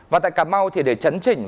và tại cà mau thì để chấn chỉnh